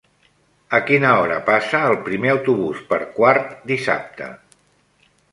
A quina hora passa el primer autobús per Quart dissabte?